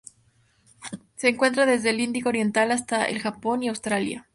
Se encuentra desde el Índico oriental hasta el Japón y Australia.